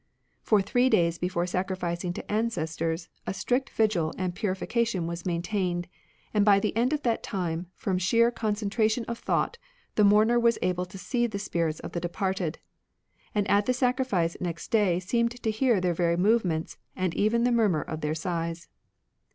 For three days before sa^orificing to ancestors, a strict vigil and purification was maintained, and by the end of that time, from sheer concen tration of thought, the mourner was able to see the spirits of the departed ; and at the sacrifice next day seemed to hear their very movements, and even the murmur of their sighs.